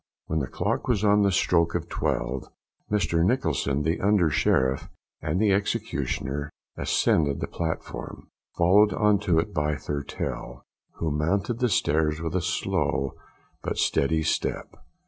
When the clock was on the stroke of twelve, Mr Nicholson, the Under Sheriff, and the executioner ascended the platform, followed on to it by Thurtell, who mounted the stairs with a slow but steady step.